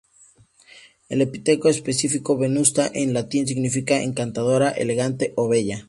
El epíteto específico, "venusta", en latín significa encantadora, elegante, o bella.